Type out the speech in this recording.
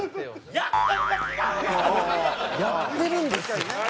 やってるんですよ。